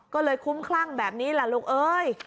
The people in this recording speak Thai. ก็เลยคุ้มคลั่งแบบนี้แหละลูกเอ้ย